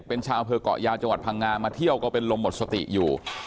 เป็นชาวอำเภอกเกาะยาวจังหวัดพังงามาเที่ยวก็เป็นลมหมดสติอยู่